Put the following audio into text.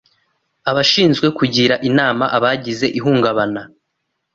Abashinzwe kugira inama abagize ihungabana